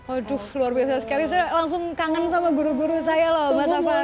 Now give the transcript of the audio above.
aduh luar biasa sekali saya langsung kangen sama guru guru saya loh mas hafal